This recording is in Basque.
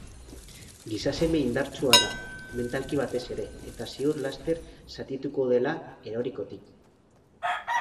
Gizaseme indartsua da, mentalki batez ere eta ziur laster zutituko dela erorikotik.